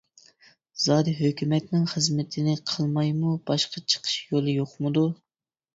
زادى ھۆكۈمەتنىڭ خىزمىتىنى قىلمايمۇ باشقا چىقىش يولى يوقمىدۇ.